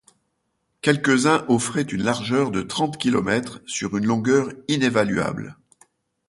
Quelques-uns offraient une largeur de trente kilomètres sur une longueur inévaluable.